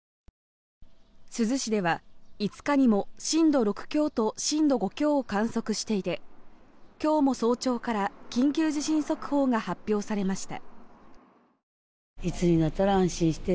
珠洲市では５日にも震度６強と震度５強を観測していて今日も早朝から緊急地震速報が発表されました。